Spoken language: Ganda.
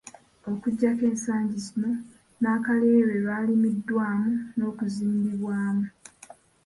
Okuggyako ensangi zino Nnakalere lw'alimiddwamu n'okuzimbibwamu.